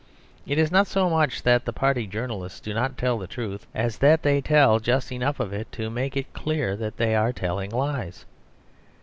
It is not so much that the party journalists do not tell the truth as that they tell just enough of it to make it clear that they are telling lies.